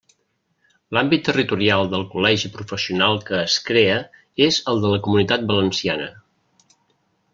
L'àmbit territorial del col·legi professional que es crea és el de la Comunitat Valenciana.